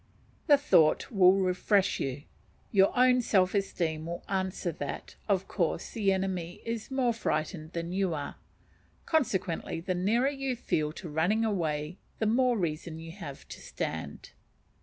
The thought will refresh you; your own self esteem will answer that, of course, the enemy is more frightened than you are, consequently the nearer you feel to running away the more reason you have to stand.